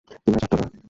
তিন হাজার ডলার।